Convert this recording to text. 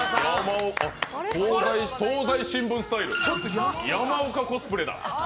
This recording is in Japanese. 東西新聞スタイル、山岡コスプレや！